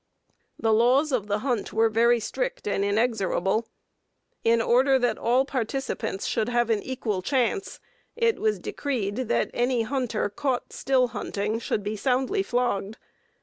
The laws of the hunt were very strict and inexorable. In order that all participants should have an equal chance, it was decreed that any hunter caught "still hunting" should be soundly flogged.